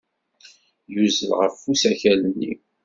Yuzzel ɣer usakal-nni.